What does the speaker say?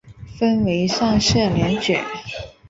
分为上下两卷。